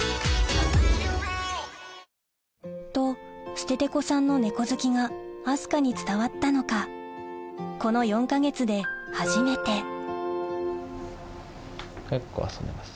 ステテコさんの猫好きが明日香に伝わったのかこの４か月で初めて結構遊んでます。